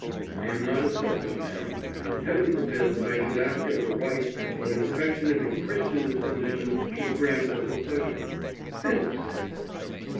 I am not a selfish man, and Heaven forbid that I should ask as a right what an affectionate and Christian disposition should grant as a pleasure." "Fiddlesticks!"